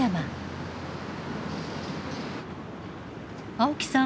青木さん